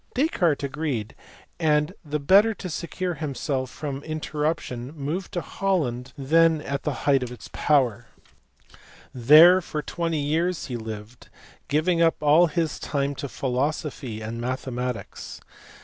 Descartes agreed, and the better to secure himself from interruption moved to Holland 272 MATHEMATICS FROM DESCARTES TO HUYGENS. then at the height of its power. There for twenty years he lived, giving up all his time to philosophy and mathematics.